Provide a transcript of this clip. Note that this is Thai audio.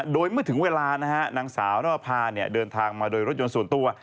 โดยเมื่อถึงเวลานะฮะนางสาวนภาเดินทางมาโดยรถยนต์ส่วนตัว